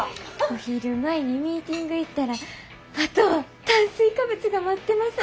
お昼前にミーティング行ったらあとは炭水化物が待ってます！